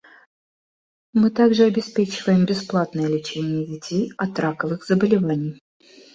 Мы также обеспечиваем бесплатное лечение детей от раковых заболеваний.